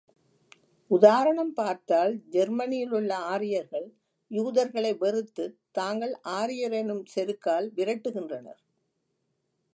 உதாரணம் பார்த்தால், ஜெர்மனியிலுள்ள ஆரியர்கள் யூதர்களை வெறுத்துத் தாங்கள் ஆரியரெனும் செருக்கால் விரட்டுகின்றனர்.